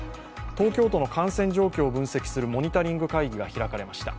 東京都の感染状況を分析するモニタリング会議が開かれました。